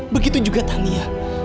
begitu juga tania